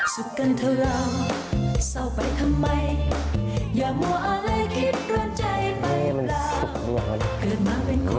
สุกกันเท่าเราเซาไปทำไมอย่ามัวอะไรคิดเรื่องใจไปหรือล่ะ